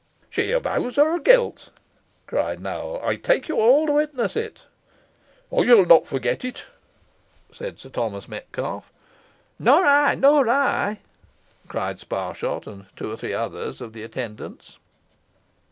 "She avows her guilt," cried Nowell. "I take you all to witness it." "I shall not forget it," said Sir Thomas Metcalfe. "Nor I nor I!" cried Sparshot, and two or three others of the attendants.